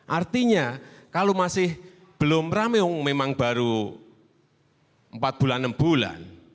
artinya kalau masih belum rame memang baru empat bulan enam bulan